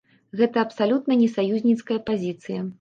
Гэта абсалютна не саюзніцкая пазіцыя.